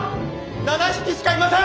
７匹しかいません！